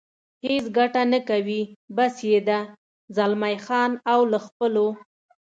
هېڅ ګټه نه کوي، بس یې ده، زلمی خان او له خپلو.